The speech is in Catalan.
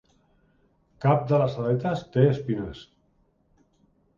Cap de les aletes té espines.